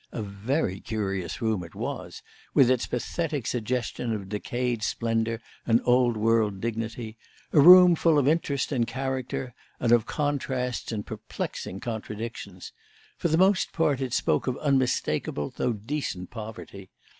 A very curious room it was, with its pathetic suggestion of decayed splendour and old world dignity: a room full of interest and character and of contrasts and perplexing contradictions. For the most part it spoke of unmistakable though decent poverty.